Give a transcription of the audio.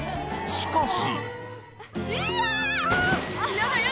しかし。